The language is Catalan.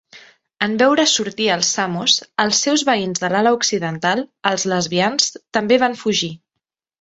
En veure sortir els samos, els seus veïns de l'ala occidental, els lesbians, també van fugir.